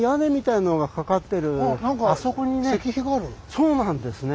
そうなんですね。